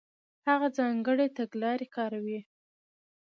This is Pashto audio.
هغه ځانګړې تګلارې کارولې.